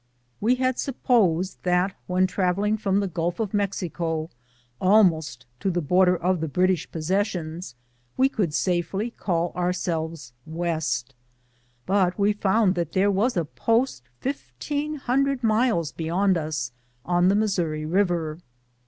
We liad supposed that when travelling from the Gulf of Mexico almost to the border of the British posses sions, we could safely call ourselves "West;" but we found that tliere was a post fifteen hundred miles beyond us, on the Missouri Eiver.